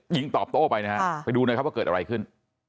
ยิงตอบโต้ไปนะฮะไปดูหน่อยครับว่าเกิดอะไรขึ้น